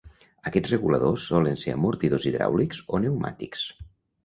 Aquests reguladors solen ser amortidors hidràulics o pneumàtics.